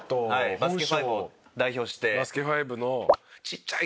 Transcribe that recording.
『バスケ☆ＦＩＶＥ』を代表して。